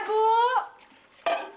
aku mau ke rumah